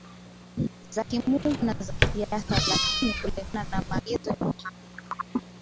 za kimungu na za kisiasa Walakini kulingana na maagizo ya Mohammed